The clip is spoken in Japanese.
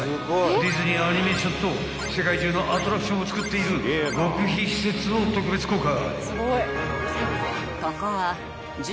［ディズニー・アニメーションと世界中のアトラクションをつくっている極秘施設を特別公開］